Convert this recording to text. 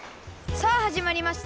さあはじまりました！